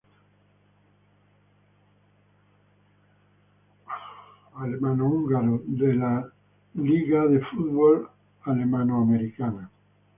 German-Hungarians de la German-American Soccer League.